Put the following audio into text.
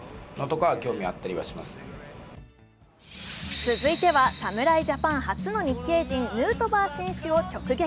続いては侍ジャパン初の日系人、ヌートバー選手を直撃。